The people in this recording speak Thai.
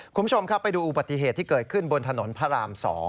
คุณผู้ชมครับไปดูอุบัติเหตุที่เกิดขึ้นบนถนนพระราม๒